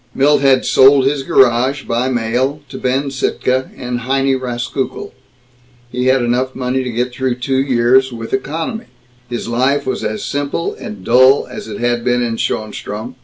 Milt had sold his garage, by mail, to Ben Sittka and Heinie Rauskukle. He had enough money to get through two years, with economy. His life was as simple and dull as it had been in Schoenstrom.